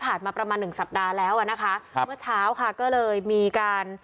มาประมาณหนึ่งสัปดาห์แล้วอ่ะนะคะครับเมื่อเช้าค่ะก็เลยมีการ